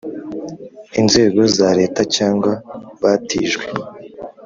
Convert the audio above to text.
inzego za Leta cyangwa batijwe